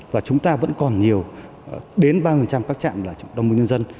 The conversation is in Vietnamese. và chúng ta vẫn còn nhiều đến ba các trạm đồng minh nhân dân